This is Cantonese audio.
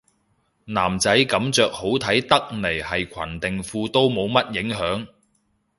男仔噉着好睇得嚟係裙定褲都冇乜影響